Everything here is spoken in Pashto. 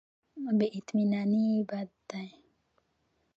بې اطمیناني بد دی.